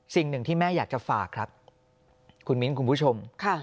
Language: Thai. สิ่งหนึ่งที่แม่อยากจะฝากครับคุณมิ้นคุณผู้ชม